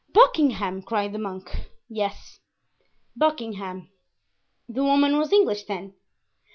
"Buckingham?" cried the monk. "Yes, Buckingham." "The woman was English, then?"